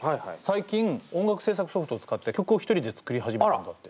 最近音楽制作ソフトを使って曲を１人で作り始めたんだって。